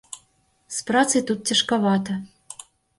З працай тут цяжкавата.